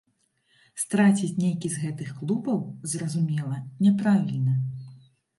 Страціць нейкі з гэтых клубаў, зразумела, няправільна.